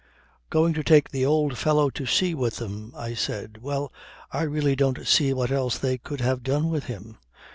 "Going to take the old fellow to sea with them," I said. "Well I really don't see what else they could have done with him.